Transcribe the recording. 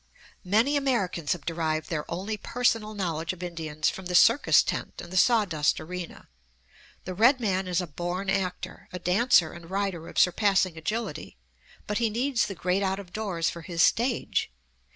Many Americans have derived their only personal knowledge of Indians from the circus tent and the sawdust arena. The red man is a born actor, a dancer and rider of surpassing agility, but he needs the great out of doors for his stage.